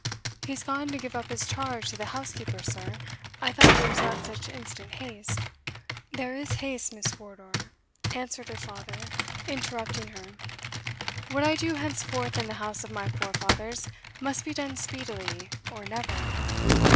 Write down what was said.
"He is gone to give up his charge to the housekeeper, sir, I thought there was not such instant haste." "There is haste, Miss Wardour," answered her father, interrupting her; "What I do henceforth in the house of my forefathers, must be done speedily, or never."